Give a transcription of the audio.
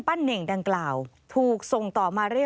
เน่งดังกล่าวถูกส่งต่อมาเรื่อย